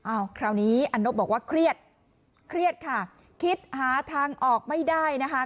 คราวนี้อันนบบอกว่าเครียดเครียดค่ะคิดหาทางออกไม่ได้นะคะ